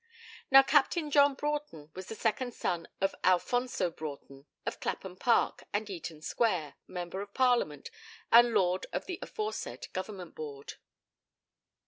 Now Captain John Broughton was the second son of Alfonso Broughton, of Clapham Park and Eaton Square, Member of Parliament, and Lord of the aforesaid Government Board.